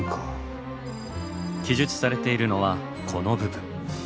記述されているのはこの部分。